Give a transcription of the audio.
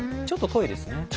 ちょっと遠いですね。